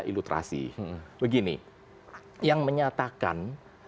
ilutrasi begini yang menyatakan